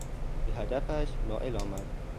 به هدفش نائل آمد.